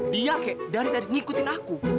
dia kek dari tadi ngikutin aku